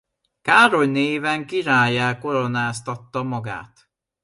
Károly néven királlyá koronáztatta magát.